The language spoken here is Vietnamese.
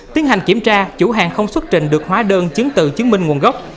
tiến hành kiểm tra chủ hàng không xuất trình được hóa đơn chứng từ chứng minh nguồn gốc